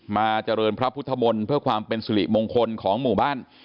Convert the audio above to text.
เจริญพระพุทธมนต์เพื่อความเป็นสิริมงคลของหมู่บ้าน